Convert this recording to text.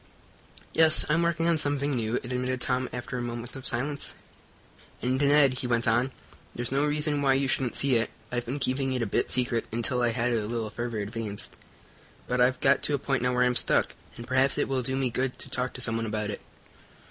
"Yes, I'm working on something new," admitted Tom, after a moment of silence. "And, Ned," he went on, "there's no reason why you shouldn't see it. I've been keeping it a bit secret, until I had it a little further advanced, but I've got to a point now where I'm stuck, and perhaps it will do me good to talk to someone about it."